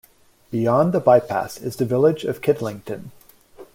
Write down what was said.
Beyond the bypass is the village of Kidlington.